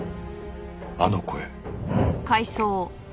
あの声。